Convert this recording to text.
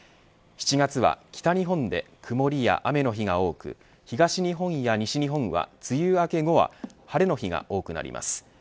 ７月は北日本で曇りや雨の日が多く東日本や西日本は梅雨明け後は晴れの日が多くなります。